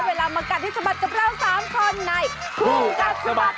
เวลามากัดที่สบัดจะเปล่า๓คนใน